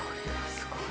すごい。